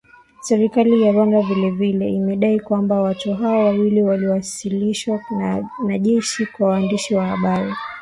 Serikali ya Rwanda vile vile imedai kwamba watu hao wawili walioasilishwa na jeshi kwa waandishi wa habari